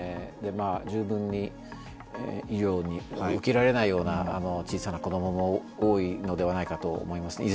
十分に医療を受けられないような小さな子供も多いのではないかと思います。